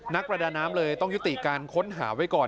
นักประดาน้ำเลยต้องยุติการค้นหาไว้ก่อน